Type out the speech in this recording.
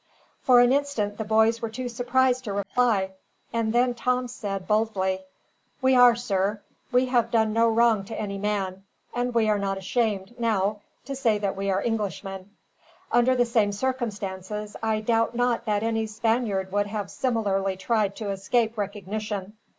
For an instant the boys were too surprised to reply, and then Tom said, boldly: "We are, sir. We have done no wrong to any man, and we are not ashamed, now, to say we are Englishmen. Under the same circumstances, I doubt not that any Spaniard would have similarly tried to escape recognition.